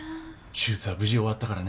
手術は無事終わったからね。